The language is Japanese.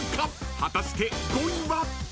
［果たして５位は］